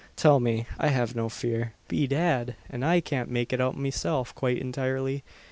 "Tell me. I have no fear." "Be dad! and I can't make it out meself quite intirely.